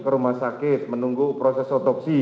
ke rumah sakit menunggu proses otopsi